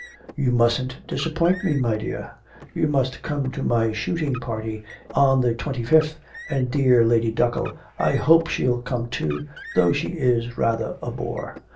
'You mustn't disappoint me, my dear; you must come to my shootin' party on the twenty fifth, and dear Lady Duckle, I hope she'll come too, though she is rather a bore.